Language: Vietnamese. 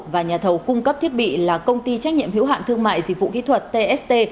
và nhà thầu cung cấp thiết bị là công ty trách nhiệm hiếu hạn thương mại dịch vụ kỹ thuật tst